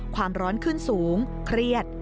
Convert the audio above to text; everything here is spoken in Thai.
ความร้อนขึ้นสูงเครียด